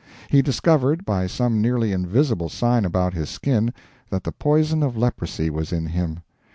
He discovered, by some nearly invisible sign about his skin, that the poison of leprosy was in him.